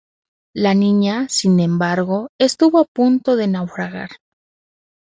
La Niña, sin embargo, estuvo a punto de naufragar.